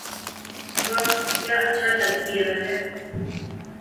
'' واہ کیا اچھا تجزیہ ہے۔